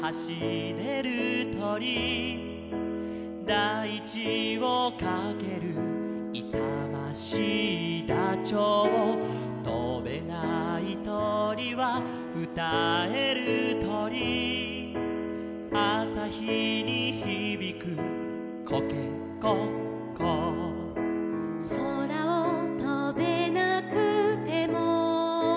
「だいちをかける」「いさましいダチョウ」「とべないとりはうたえるとり」「あさひにひびくコケコッコー」「そらをとべなくても」